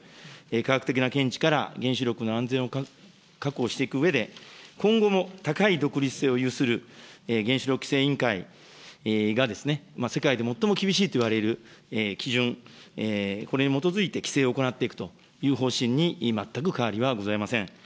科学的な見地から原子力の安全を確保していくうえで、今後も高い独立性を有する原子力規制委員会が、世界で最も厳しいといわれる基準、これに基づいて規制を行っていくという方針に全く変わりはございません。